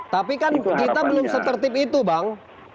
tapi kan kita belum setertib itu bang